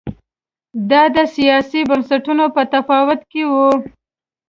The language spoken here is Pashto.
دا د سیاسي بنسټونو په تفاوت کې و